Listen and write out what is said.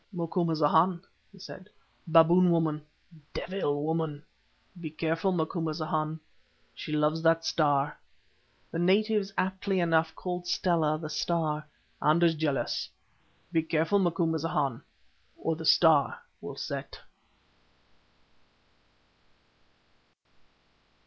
"Macumazahn," he said. "Baboon woman—devil woman. Be careful, Macumazahn. She loves that Star (the natives aptly enough called Stella the Star), and is jealous. Be careful, Macumazahn, or the Star will set!"